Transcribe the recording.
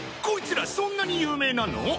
こいつらそんなに有名なの？